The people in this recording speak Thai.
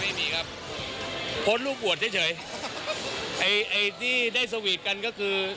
ไม่มีครับโพสต์รูปบวชเฉยเฉยไอ้ไอ้ที่ได้สวีทกันก็คือ